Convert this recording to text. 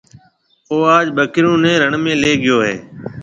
او آج ٻڪرِيون نَي رڻ ۾ ليَ گيو هيَ۔